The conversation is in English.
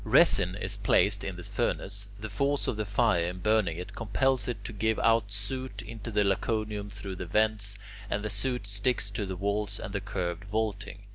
Resin is placed in the furnace. The force of the fire in burning it compels it to give out soot into the Laconicum through the vents, and the soot sticks to the walls and the curved vaulting.